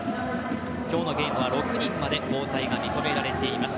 今日のゲームは６人まで交代が認められています。